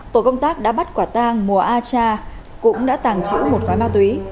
tổ công tác đã bắt quả tàng mùa a cha cũng đã tàng trữ một gói ma túy